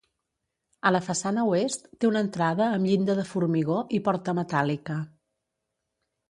A la façana oest, té una entrada amb llinda de formigó i porta metàl·lica.